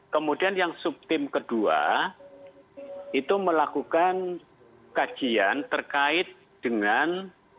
kemudian yang subtim kedua itu melakukan kajian terkait dengan